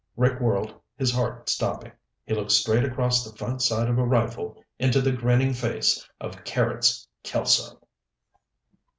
Rick whirled, his heart stopping. He looked straight across the front sight of a rifle into the grinning face of Carrots Kelso!